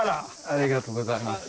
ありがとうございます。